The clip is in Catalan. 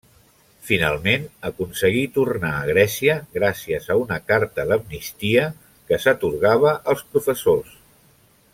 Finalment, aconseguí tornar a Grècia gràcies a una carta d'amnistia que s'atorgava als professors.